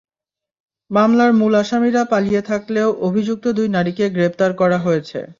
মামলার মূল আসামিরা পালিয়ে থাকলেও অভিযুক্ত দুই নারীকে গ্রেপ্তার করা হয়েছে।